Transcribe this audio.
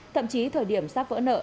thậm chí thời điểm sắp tới